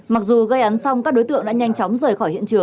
mặc dù gây án xong các đối tượng đã nhanh chóng rời khỏi